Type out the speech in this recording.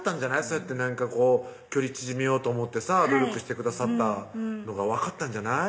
そうやって距離縮めようと思ってさ努力してくださったのが分かったんじゃない？